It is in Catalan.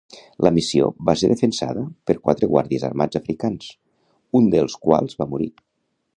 La missió va ser defensada per quatre guàrdies armats africans, un dels quals va morir.